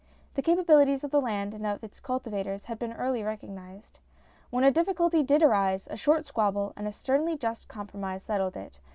The capabilities of the land and of its cultivators had been early recognized. When a difficulty did arise, a short squabble and a sternly just compromise settled it.